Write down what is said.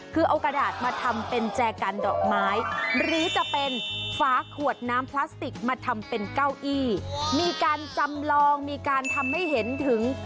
คือเอากระดาษมาทำเป็นแจกันดอกไม้หรือจะเป็นฝาขวดน้ำพลาสติกมาทำเป็นเก้าอี้มีการจำลองมีการทำให้เห็นถึง